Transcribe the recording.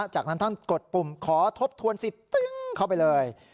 จากนั้นท่านกดปุ่มขอทบทวนสิทธิ์ตึ้งเข้าไปเลย